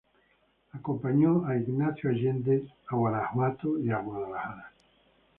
Acompañó a Ignacio Allende a Guanajuato y Guadalajara.